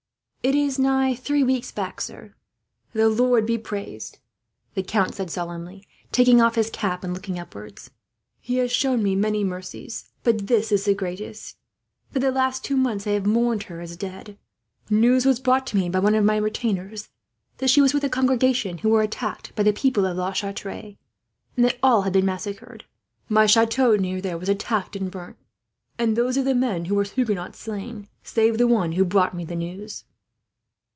"It is nigh three weeks back, sir." "The Lord be praised!" the count said solemnly, taking off his cap and looking upwards. "He has shown me many mercies, but this is the greatest. For the last two months I have mourned her as dead. News was brought to me, by one of my retainers, that she was with a congregation who were attacked by the people of La Chatre, and that all had been massacred. My chateau near there was attacked and burnt, and those of the men who were Huguenots slain, save the one who brought me the news."